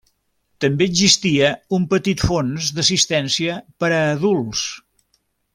També existia un petit fons d'assistència per a adults.